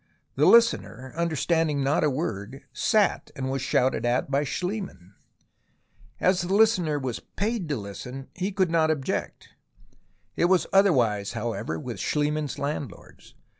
The listener, understanding not a word, sat and was shouted at by Schliemann. As the listener was paid to listen, he could not THE ROMANCE OF EXCAVATION 167 object. It was otherwise, however, with Schlie mann's landlords.